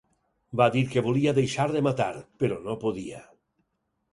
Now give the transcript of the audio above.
Va dir que volia deixar de matar, però no podia.